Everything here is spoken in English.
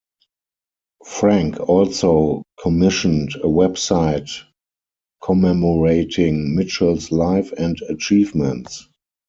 Frank also commissioned a web site commemorating Mitchell's life and achievements.